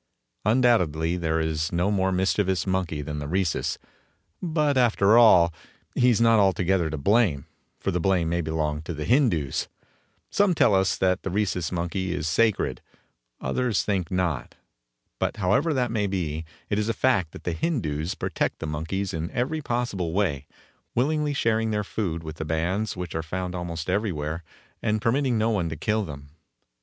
Undoubtedly there is no more mischievous monkey than the Rhesus, but, after all, he is not altogether to blame, for the blame may belong to the Hindoos. Some tell us that the Rhesus Monkey is sacred; others think not. But, however that may be, it is a fact that the Hindoos protect the monkeys in every possible way, willingly sharing their food with the bands which are found almost everywhere, and permitting no one to kill them.